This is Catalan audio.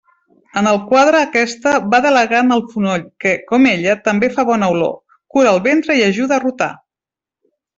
En el quadre aquesta va delegar en el fonoll, que, com ella, també fa bona olor, cura el ventre i ajuda a rotar.